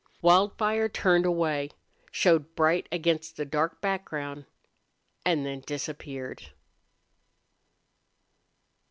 Wildfire turned away, showed bright against the dark background, and then disappeared.